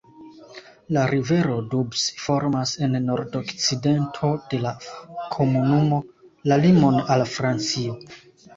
La rivero Doubs formas en nordokcidento de la komunumo la limon al Francio.